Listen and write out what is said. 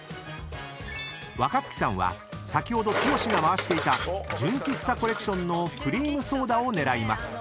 ［若槻さんは先ほど剛が回していた純喫茶コレクションのクリームソーダを狙います］